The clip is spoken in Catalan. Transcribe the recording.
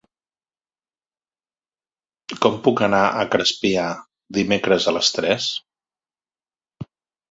Com puc anar a Crespià dimecres a les tres?